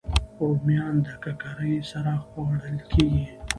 رومیان د ککرې سره خوړل کېږي